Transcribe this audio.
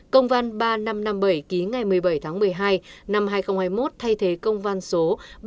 công văn ba nghìn năm trăm năm mươi bảy ký ngày một mươi bảy tháng một mươi hai năm hai nghìn hai mươi một thay thế công văn số ba nghìn năm trăm hai mươi bảy